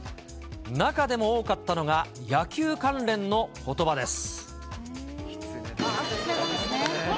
中でも多かったのが、野球関連のことばです。